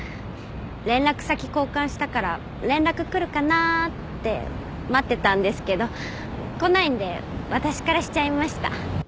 連絡先交換したから連絡来るかなぁって待ってたんですけど来ないんで私からしちゃいました。